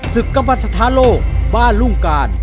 ศึกกัมพันธ์สถานโลกบ้านรุ่งกาญ